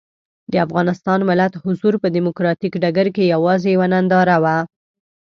د افغانستان ملت حضور په ډیموکراتیک ډګر کې یوازې یوه ننداره وه.